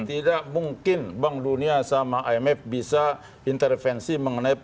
tidak mungkin bank dunia sama imf bisa intervensi mengenai